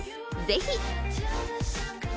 ぜひ！